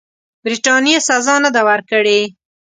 برټانیې سزا نه ده ورکړې.